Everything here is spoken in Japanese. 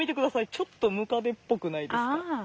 ちょっとムカデっぽくないですか？